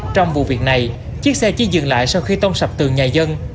trong vụ việc này chiếc xe chỉ dừng lại sau khi tông sập tường nhà dân